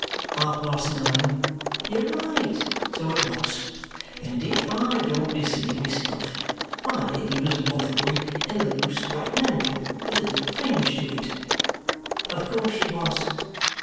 "Half past nine." "You're right. So it was. And if I don't deceive myself, my Lady was muffled in a loose black mantle, with a deep fringe to it?" "Of course she was."